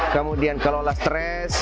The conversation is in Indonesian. kemudian kelola stres